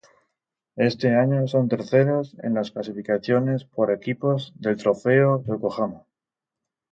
Este año son terceros en las clasificación por equipos del trofeo Yokohama.